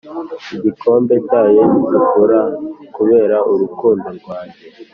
igikombe cyacyo gitukura kubera urukundo rwanjye.